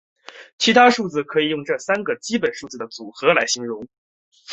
其他的数字可以用这三个基本数字的组合来形容。